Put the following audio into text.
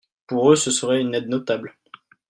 Pour eux, ce serait une aide notable.